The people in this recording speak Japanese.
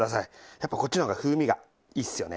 やっぱこっちの方が風味がいいですよね。